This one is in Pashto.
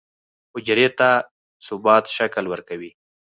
حجرې ته ثابت شکل ورکوي.